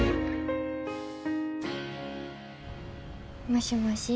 もしもし。